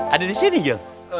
ada disini jho